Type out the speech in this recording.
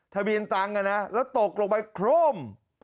ทะเบียนตังค์แล้วตกลงไปโคร่ม